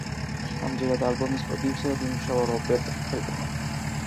ამჯერად ალბომის პროდიუსერად იმუშავა რობერტ ფრიპმა.